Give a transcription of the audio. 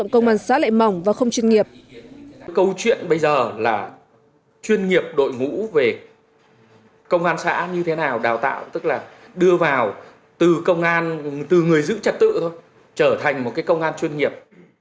cũng như chuyên nghiệp